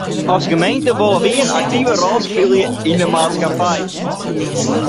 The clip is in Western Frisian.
As gemeente wolle wy in aktive rol spylje yn de maatskippij.